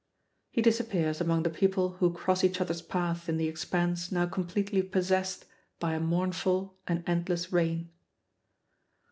He disappears among the people who cross each other's path in the expanse now completely possessed by a mournful and endless rain.